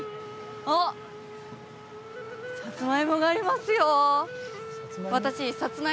おっサツマイモがありますよ